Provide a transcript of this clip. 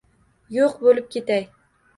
Yo’q bo’lib ketay